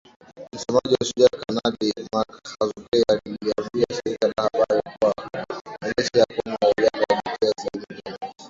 Msemaji wa Shujaa, Kanali Mak Hazukay aliliambia shirika la habari kuwa majeshi ya Kongo na Uganda yalitia saini Juma mosi